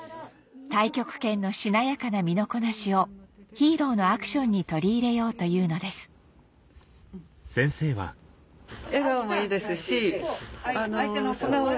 太極拳のしなやかな身のこなしをヒーローのアクションに取り入れようというのですハハ